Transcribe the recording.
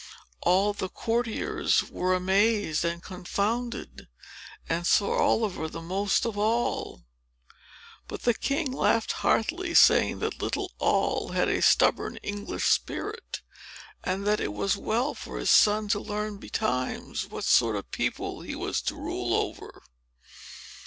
All the courtiers were amazed and confounded, and Sir Oliver the most of all. But the king laughed heartily, saying that little Noll had a stubborn English spirit, and that it was well for his son to learn betimes what sort of a people he was to rule over.